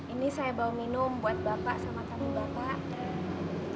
ini saya bawa minum buat bapak sama kamu bapak